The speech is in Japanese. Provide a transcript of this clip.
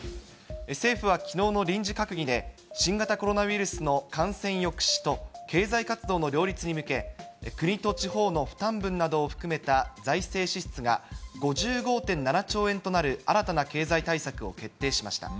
政府はきのうの臨時閣議で、新型コロナウイルスの感染抑止と経済活動の両立に向け、国と地方の負担分などを含めた財政支出が５５．７兆円となる新たな経済対策を決定しました。